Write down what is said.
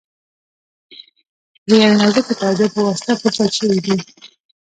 د یوې نازکې پردې په واسطه پوښل شوي دي.